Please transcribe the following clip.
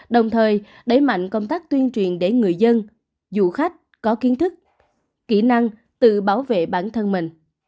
đồng thời đẩy mạnh công tác tuyên truyền để người dân du khách có kiến thức kỹ năng tự bảo vệ bản thân mình